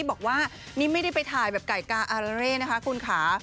บอกว่านี่ไม่ได้ไปถ่ายแบบไก่กาอาราเร่นะคะคุณค่ะ